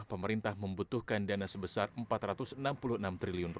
pemerintah membutuhkan dana sebesar rp empat ratus enam puluh enam triliun